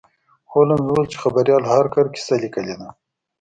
هولمز وویل چې خبریال هارکر کیسه لیکلې ده.